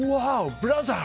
ブラザー！